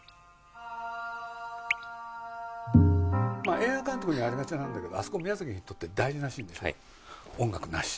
映画監督にありがちなんだけど、あそこ、宮崎にとって大事なシーンでしょ、音楽なし。